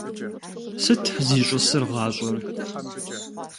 Сыт зищӀысыр гъащӀэр?